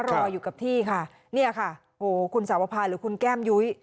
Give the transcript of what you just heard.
รออยู่กับที่ค่ะเนี่ยค่ะโอ้คุณสาวภาหรือคุณแก้มยุ้ย